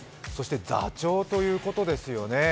座長ということですよね。